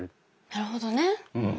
なるほどねうん。